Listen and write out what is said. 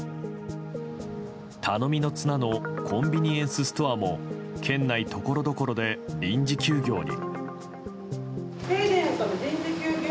頼みの綱のコンビニエンスストアも県内ところどころで臨時休業に。